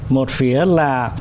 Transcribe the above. một phía là